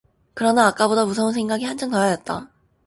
그러나 아까보다 무서운 생각이 한층 더하였다.